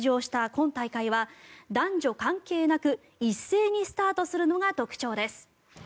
今大会は男女関係なく一斉にスタートするのが特徴です。